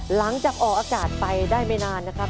หลังจากออกอากาศไปได้ไม่นานนะครับ